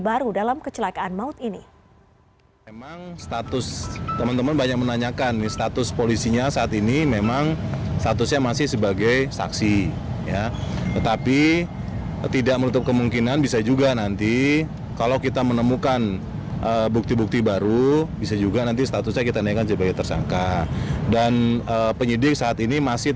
bukti baru dalam kecelakaan maut ini